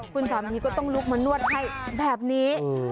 คุณสามีก็ต้องลุกมานวดให้แบบนี้